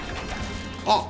あっ！